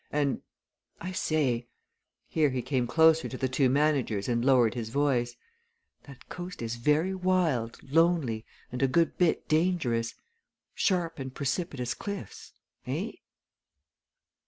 And, I say " here he came closer to the two managers and lowered his voice "that coast is very wild, lonely, and a good bit dangerous sharp and precipitous cliffs. Eh?"